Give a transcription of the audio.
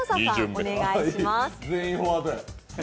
お願いします。